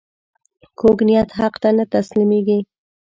کوږ نیت حق ته نه تسلیمېږي